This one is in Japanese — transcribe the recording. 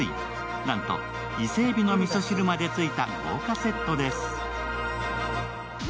なんと伊勢えびのみそ汁までついた豪華セットです。